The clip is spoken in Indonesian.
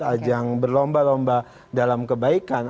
ajang berlomba lomba dalam kebaikan